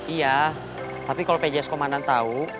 iya tapi kalau pjs komandan tahu